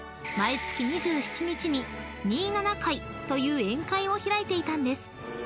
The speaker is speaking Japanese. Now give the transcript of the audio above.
毎月２７日に二七会という宴会を開いていたんです］